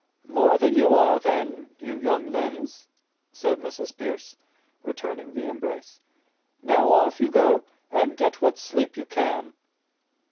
"More than you are then, you young limbs," said Mrs. Pearce, returning the embrace. "Now off you go, and get what sleep you can."